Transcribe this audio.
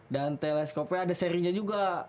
dan teleskopnya ada serinya juga